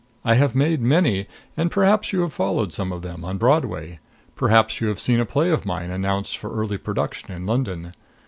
I have made many; and perhaps you have followed some of them, on Broadway. Perhaps you have seen a play of mine announced for early production in London.